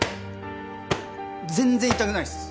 全然痛くないです！